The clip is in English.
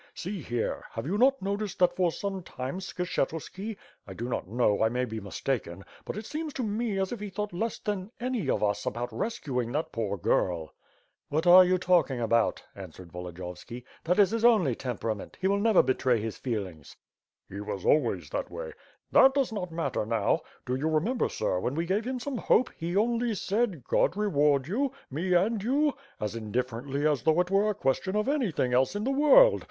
See here, have you not noticed that for some time, Skshetuski — I do not know, T may be mis taken— but it seems to me as if he thought less than any of us about rescuing that poor girl.'^ WITB FIRE AND SWORD. ^^ "Wliat are you talking about!" answered Volodiyovski. "That is only his temperament. He will never betray his feelings/' "He was always that way." "That does not matter now. Do you remember, sir, when we gave him some hope, he only said *God reward you. Me and you!' as indifferently as though it were a question of any thing else in the world.